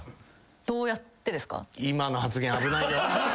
・「どうやってですか？」